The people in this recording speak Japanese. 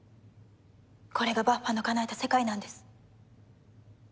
これがバッファのかなえた世界なんです。